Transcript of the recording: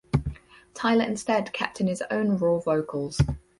Tyler instead kept in his own raw vocals.